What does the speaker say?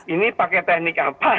ini pakai teknik apa